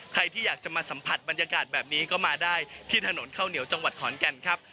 ใครที่อยากจะมาสัมผัสบรรยากาศแบบนี้ก็มาได้ที่ถนนข้าวเหนียวจังหวัดขอนแก่นครับ